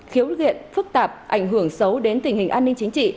khiếu luyện phức tạp ảnh hưởng xấu đến tình hình an ninh chính trị